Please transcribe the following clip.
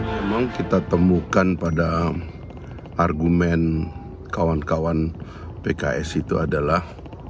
memang kita temukan pada argumen kawan kawan pks itu adalah